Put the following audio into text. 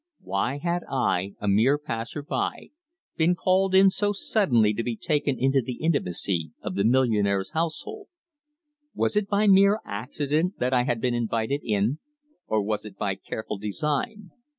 Why had I, a mere passer by, been called in so suddenly to be taken into the intimacy of the millionaire's household? Was it by mere accident that I had been invited in, or was it by careful design?